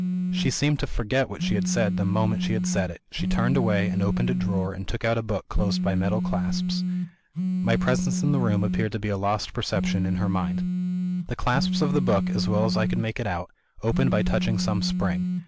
She seemed to forget what she had said, the moment she had said it she turned away, and opened a drawer, and took out a book closed by metal clasps. My presence in the room appeared to be a lost perception in her mind. The clasps of the book, as well as I could make it out, opened by touching some spring.